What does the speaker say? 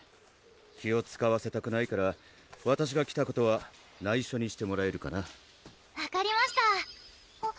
気をつかわせたくないからわたしが来たことはないしょにしてもらえるかな分かりましたあっ